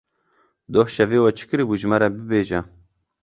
Doh şevê we çi kiribû ji me re bibêje.